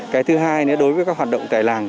cái thứ hai nữa đối với các hoạt động tại làng